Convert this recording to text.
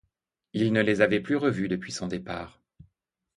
Il ne les avait plus revus depuis son départ.